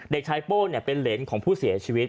เด็กชายโป้เป็นเหรนของผู้เสียชีวิต